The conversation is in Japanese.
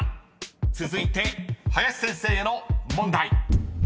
［続いて林先生への問題］